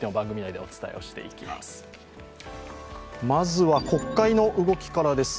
まずは国会の動きからです。